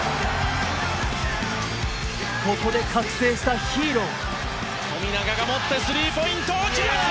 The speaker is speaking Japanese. ここで覚醒したヒーロー。